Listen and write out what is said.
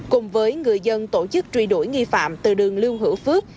cùng với người dân tổ chức truy đuổi nghi phạm từ đường lưu hữu phước